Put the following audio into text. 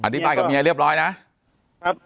อธิบายกับเมียเรียบร้อยนะครับ